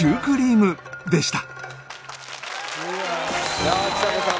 いやあちさ子さん